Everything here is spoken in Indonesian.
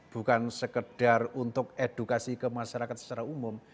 bukan sekedar untuk edukasi ke masyarakat secara umum